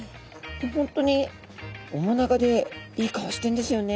本当に面長でいい顔してるんですよね。